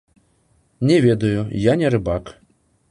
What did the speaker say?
Не ведаю, я не рыбак.